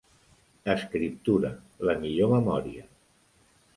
Escriptura, la millor memòria.